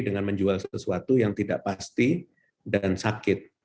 dengan menjual sesuatu yang tidak pasti dan sakit